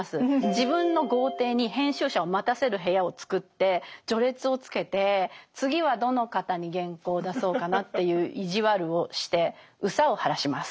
自分の豪邸に編集者を待たせる部屋を作って序列をつけて「次はどの方に原稿を出そうかな」という意地悪をして憂さを晴らします。